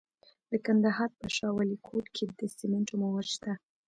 د کندهار په شاه ولیکوټ کې د سمنټو مواد شته.